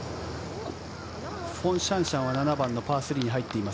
フォン・シャンシャンは７番のパー３に入っています。